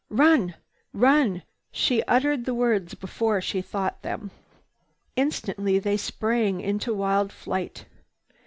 "Run! Run!" She uttered the words before she thought them. Instantly they sprang into wild flight.